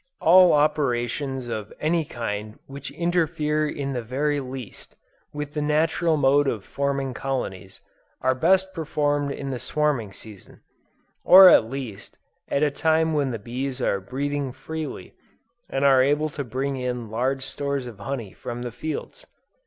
All operations of any kind which interfere in the very least, with the natural mode of forming colonies, are best performed in the swarming season: or at least, at a time when the bees are breeding freely, and are able to bring in large stores of honey from the fields.